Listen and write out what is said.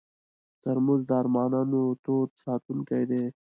ترموز د ارمانونو تود ساتونکی دی.